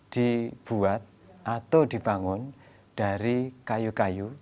dibuat atau dibangun dari kayu kayu